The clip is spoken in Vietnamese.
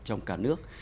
trong cả nước